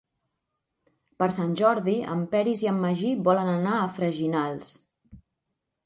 Per Sant Jordi en Peris i en Magí volen anar a Freginals.